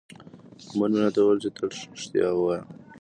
مور مې راته وویل چې تل رښتیا ووایم.